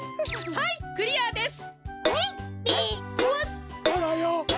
はいクリアです！